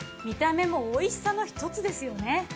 見た目もおいしさのひとつですよね。